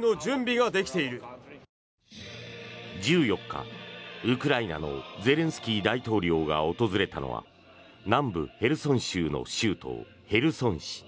１４日、ウクライナのゼレンスキー大統領が訪れたのは南部ヘルソン州の州都ヘルソン市。